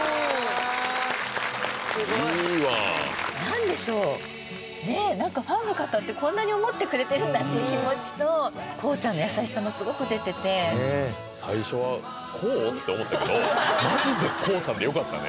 すごいいいわ何でしょうねぇ何かファンの方ってこんなに思ってくれてるんだっていう気持ちとＫＯＯちゃんの優しさもすごく出てて最初は「ＫＯＯ？」って思ったけどマジでＫＯＯさんでよかったね